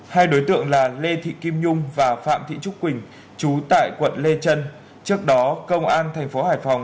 hai đối tượng là lê thị kim nhung và phạm thị trúc quỳnh chú tại quận lê trân trước đó công an thành phố hải phòng